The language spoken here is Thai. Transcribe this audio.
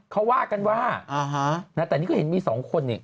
เขาว่ากันว่าแต่นี่ก็เห็นมีสองคนนี่